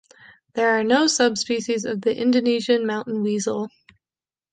There are no subspecies of the Indonesian mountain weasel.